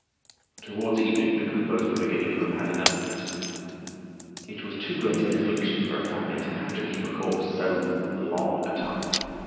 Towards evening the Coupeaus were beginning to have had enough of it. It was too great an affliction for a family to have to keep a corpse so long a time.